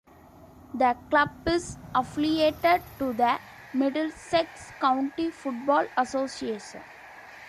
The club is affiliated to the Middlesex County Football Association.